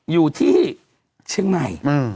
อยู่ที่เชียงใหม่